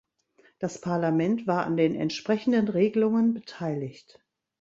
Das Parlament war an den entsprechenden Regelungen beteiligt.